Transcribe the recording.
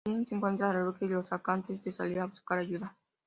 Kinsey encuentra a Luke y lo saca antes de salir a buscar ayuda.